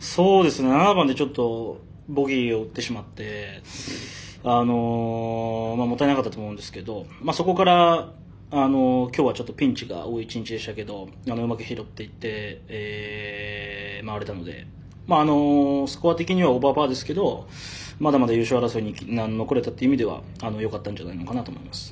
７番でちょっとボギーを打ってしまってもったいなかったと思うんですけどそこから、今日はピンチが多い１日でしたけどうまく拾っていって回れたのでスコア的にはオーバーパーですけどまだまだ優勝争いに残れたという意味ではよかったんじゃないのかなと思います。